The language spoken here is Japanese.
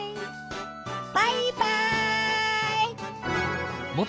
バイバイ。